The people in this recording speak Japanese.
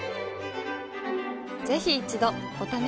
ぜひ一度お試しを。